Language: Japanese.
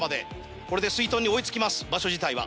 これですいとんに追い付きます場所自体は。